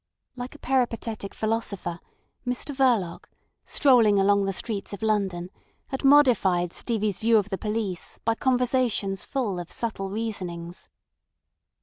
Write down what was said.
Like a peripatetic philosopher, Mr Verloc, strolling along the streets of London, had modified Stevie's view of the police by conversations full of subtle reasonings.